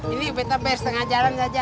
ini betta ber setengah jalan saja